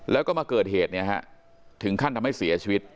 แล้วก็มาเกิดเหตุเนี่ยฮะถึงขั้นทำให้เสียชีวิต